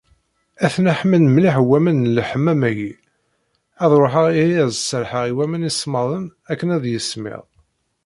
Aten-a ḥman mliḥ waman n lḥemmam-ayi, ad ruḥeɣ ihi ad d-serrḥeɣ i waman isemmaḍen akken ad yismiḍ.